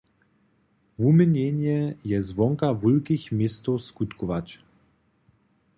Wuměnjenje je zwonka wulkich městow skutkować.